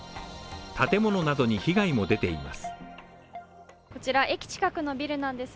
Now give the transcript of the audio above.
建物などに被害も出ています。